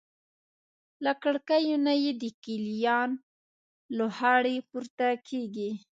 له کړکیو نه یې د قلیان لوخړې پورته کېږي.